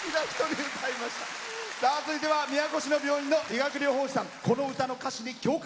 続いては宮古市の病院の理学療法士さん。